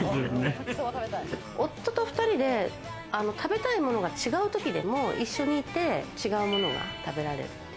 夫と２人で食べたいものが違う時でも一緒にいて違うものが食べられる。